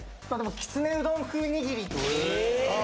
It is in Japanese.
きつねうどん風にぎりええ